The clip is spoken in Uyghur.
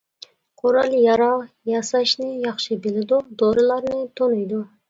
قورال-ياراغ ياساشنى ياخشى بىلىدۇ، دورىلارنى تونۇيدۇ.